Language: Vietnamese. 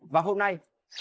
và hôm nay